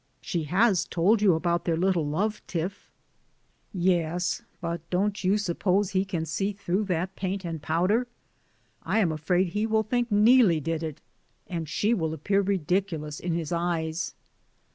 She has told you about their little love tiff?" "Yes, but don't you suppose he can see through that paint and powder ? I am afraid he will think Neelie did it, and she will ap 172 DA YS ON THE ROAD. pear ridiculous in his eyes."